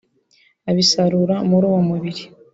abisarura muri uwo mubiri